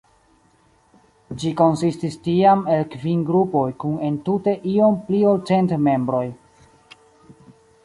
Ĝi konsistis tiam el kvin grupoj kun entute iom pli ol cent membroj.